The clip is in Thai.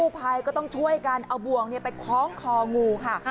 ภัยก็ต้องช่วยกันเอาบ่วงไปคล้องคองูค่ะ